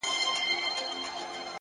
مهرباني د اړیکو واټن لنډوي،